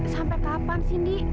sampai kapan sih di